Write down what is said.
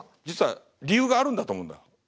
実は理由があるんだと思うんだ。